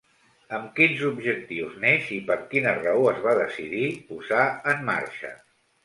Amb quins objectius neix i per quina raó es va decidir posar en marxa?